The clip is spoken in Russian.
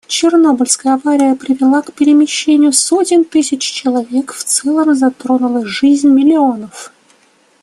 Чернобыльская авария привела к перемещению сотен тысяч человек и в целом затронула жизнь миллионов.